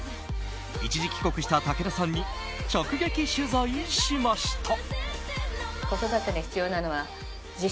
一時帰国した武田さんに直撃取材しました。